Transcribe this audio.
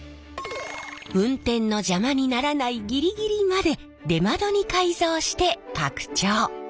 運転の邪魔にならないギリギリまで出窓に改造して拡張。